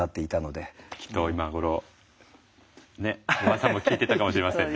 きっと今頃おばあさんも聴いてたかもしれませんね。